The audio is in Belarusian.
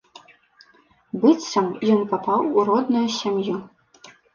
Быццам ён папаў у родную сям'ю.